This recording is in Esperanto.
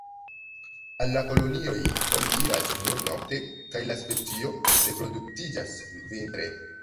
Al la kolonioj oni iras nur nokte, kaj la specio reproduktiĝas vintre.